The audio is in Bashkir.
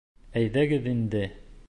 Әйҙәгеҙ инде.